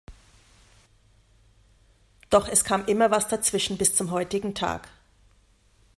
Doch es kam immer was dazwischen bis zum heutigen Tag.